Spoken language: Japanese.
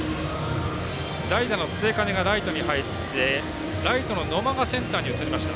代打の末包がライトに入ってライトの野間がセンターに移りました。